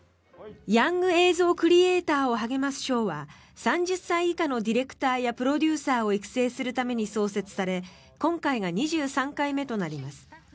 ヤング映像クリエーターを励ます賞は３０歳以下のディレクターやプロデューサーを育成するために創設され今回が２３回目となります。